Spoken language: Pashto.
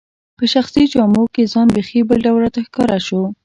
په شخصي جامو کي ځان بیخي بل ډول راته ښکاره شو.